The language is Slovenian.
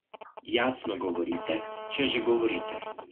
Jasno govorite, če že govorite.